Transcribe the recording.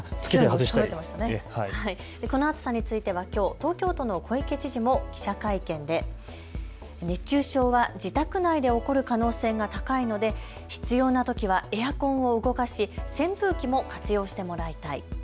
この暑さについてはきょう東京都の小池知事も記者会見で熱中症は自宅内で起こる可能性が高いので必要なときはエアコンを動かし扇風機も活用してもらいたい。